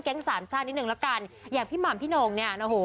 แก๊งสามชาตินิดหนึ่งแล้วกันอย่างพี่หม่ามพี่โน่งเนี่ยโอ้โห